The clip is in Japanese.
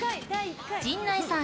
陣内さん